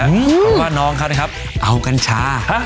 เพราะว่าน้องเขานะครับเอากัญชา